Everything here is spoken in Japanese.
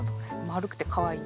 丸くてかわいい。